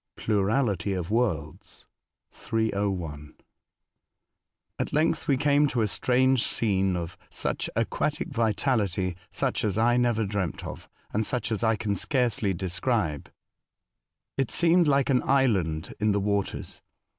"—" Plurality of Worlds;' 301. 170 A Voyage to Other Worlds, At length we came to a strange scene of aquatic vitality sucli as I never dreamt of, and sucli as I can scarcely describe. It seemed like an island in the waters.